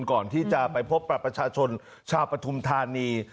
ก่อนที่จะไปพบกับประชาชนชาวปฐุมธานี